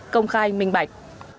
công khai minh bạch